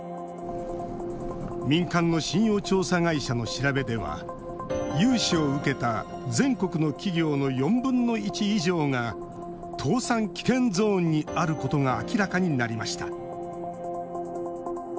民間の信用調査会社の調べでは融資を受けた全国の企業の４分の１以上が倒産危険ゾーンにあることが明らかになりました。